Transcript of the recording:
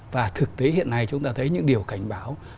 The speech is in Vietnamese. và thực tế hiện nay chúng ta thấy những điều cảnh báo